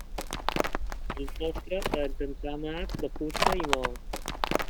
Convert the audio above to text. El sostre és d'entramat de fusta i maó.